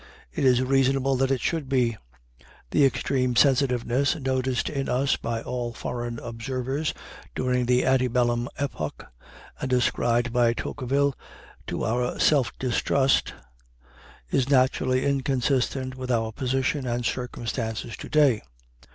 It is reasonable that it should be. The extreme sensitiveness noticed in us by all foreign observers during the antebellum epoch, and ascribed by Tocqueville to our self distrust, is naturally inconsistent with our position and circumstances to day.